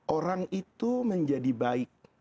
orang itu menjadi baik